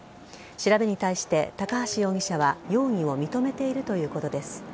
調べに対して、高橋容疑者は容疑を認めているということです。